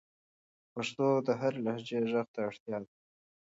د پښتو د هرې لهجې ږغ ته اړتیا ده.